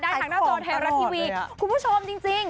ได้ทางหน้าโจทย์แทนรัฐทีวีคุณผู้ชมจริง